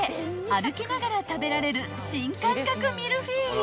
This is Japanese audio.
歩きながら食べられる新感覚ミルフィーユ］